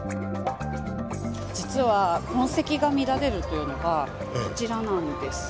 実は痕跡が見られるというのがこちらなんです。